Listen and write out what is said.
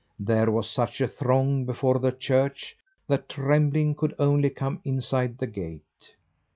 There was such a throng before the church that Trembling could only come inside the gate.